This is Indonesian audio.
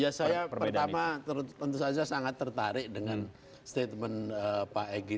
ya saya pertama tentu saja sangat tertarik dengan statement pak egy